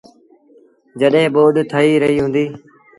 جڏهيݩ ٻوڏ ٿئي رهيٚ هُݩديٚ ۔